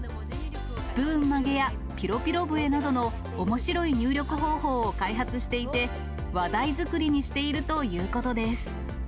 スプーン曲げや、ピロピロ笛などのおもしろい入力方法を開発していて、話題作りにしているということです。